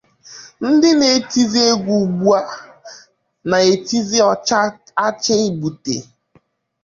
Ndị na-etizị egwu ugbu a na-etizị ọchaa achaa gbute